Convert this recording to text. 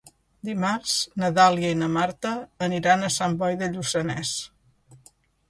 Dimarts na Dàlia i na Marta aniran a Sant Boi de Lluçanès.